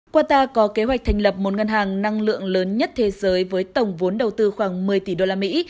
qatar có kế hoạch thành lập một ngân hàng năng lượng lớn nhất thế giới với tổng vốn đầu tư khoảng một mươi tỷ đô la mỹ